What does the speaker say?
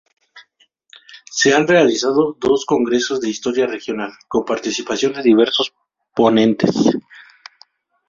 Se han realizado dos congresos de Historia regional, con participación de diversos ponentes.